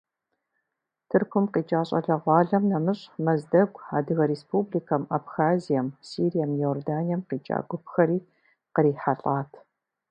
Тыркум къикӏа щӏалэгъуалэм нэмыщӏ Мэздэгу, Адыгэ республикэм, Абхазием, Сирием, Иорданием къикӏа гупхэри кърихьэлӏат.